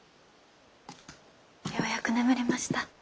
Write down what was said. ようやく眠りました。